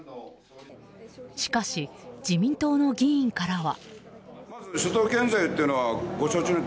しかし、自民党の議員からは。